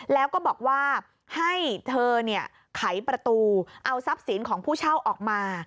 แล้วก็บอกว่าให้เธอไขประตูเอาทรัพย์สินของผู้เช่าออกมา